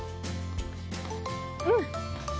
うん！